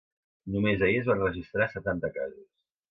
Només ahir es van registrar setanta casos.